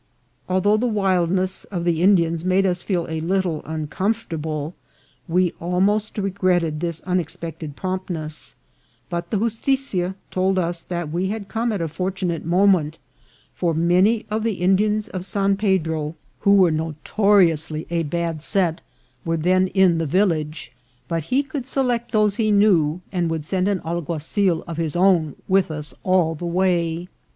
Although the wildness of the Indians made us feel a little uncomfortable, we almost regretted this unexpected promptness ; but the justitia told us we had come at a fortunate moment, for many of the Indians of San Pedro, who were notori 268 INCIDENTS OF TRAVEL. ously a bad set, were then in the village, but he could select those he knew, and would send an alguazil of his own with us all the way.